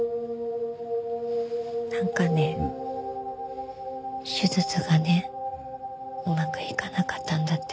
なんかね手術がねうまくいかなかったんだって。